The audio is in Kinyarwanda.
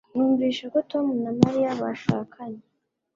Numvise ko Tom na Mariya bashakanye